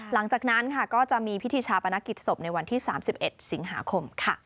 หลังจากนั้นก็จะมีพิธีชาปนกิจศพในวันที่๓๑สิงหาคม